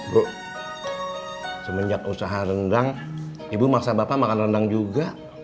bu semenjak usaha rendang ibu masa bapak makan rendang juga